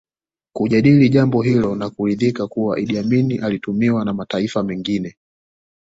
Kujadili jambo hilo na kuridhika kuwa Idi Amin alitumiwa na mataifa mengine